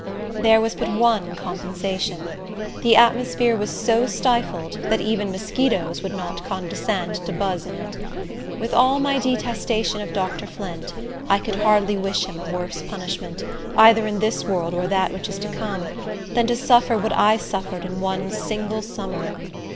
There was but one compensation; the atmosphere was so stifled that even mosquitos would not condescend to buzz in it. With all my detestation of Dr. Flint, I could hardly wish him a worse punishment, either in this world or that which is to come, than to suffer what I suffered in one single summer.